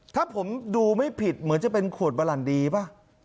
ถ้าผมดูไม่ผิดเหมือนจะเป็นขวดบะหลั่นดีป่ะ